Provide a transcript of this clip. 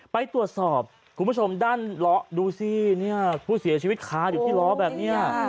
ไปตรวจสอบคุณผู้ชมด้านล้อดูสิเนี่ยผู้เสียชีวิตคาอยู่ที่ล้อแบบนี้